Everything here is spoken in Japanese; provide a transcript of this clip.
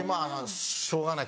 しょうがない